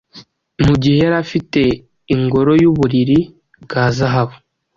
Mugihe yarafite ingoro yuburiri bwa zahabu